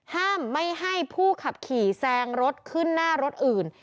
ห้ามไม่ให้ผู้ขับขี่แซงรถขึ้นหน้ารถอื่น